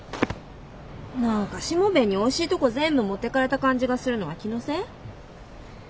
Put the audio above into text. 何かしもべえにおいしいとこ全部持っていかれた感じがするのは気のせい？